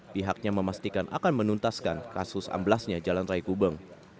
pihaknya memastikan akan menuntaskan kasus amblasnya jalan raya gubeng